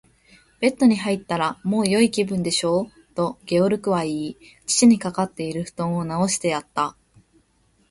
「ベッドに入ったら、もうよい気分でしょう？」と、ゲオルクは言い、父にかかっているふとんをなおしてやった。